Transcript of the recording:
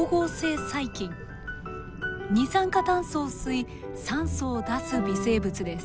二酸化炭素を吸い酸素を出す微生物です。